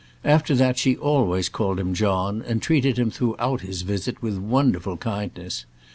After that she always called him John, and treated him throughout his visit with wonderful kindness.